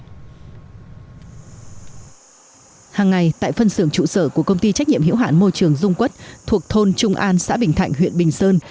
hàng ngày tại phân xưởng trụ sở của công ty trách nhiệm hiểu hạn môi trường dung quất thuộc thôn trung an xã bình thạnh huyện bình sơn